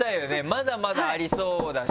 まだまだありそうだし。